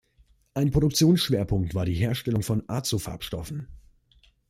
Ein Produktionsschwerpunkt war die Herstellung von Azo-Farbstoffen.